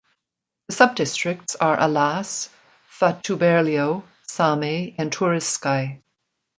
The subdistricts are Alas, Fatuberlio, Same, and Turiscai.